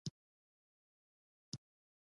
څانگې خپل پلار ته خواړه راوړل.